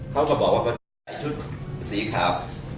เขาก็บอกว่าเขาจะใส่ชุดสีขาว